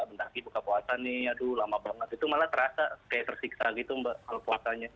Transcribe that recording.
bentar lagi buka puasa nih aduh lama banget itu malah terasa kayak tersiksa gitu mbak kalau puasanya